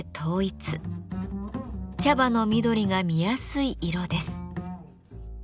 茶葉の緑が見やすい色です。